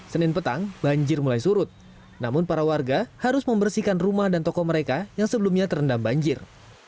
senin petang banjir mulai surut namun para warga harus membersihkan rumah dan toko mereka yang sebelumnya terendam banjir